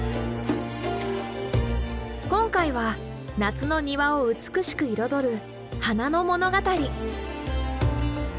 今回は夏の庭を美しく彩る花の物語。